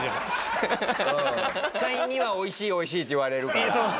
社員には「美味しい美味しい」って言われるから。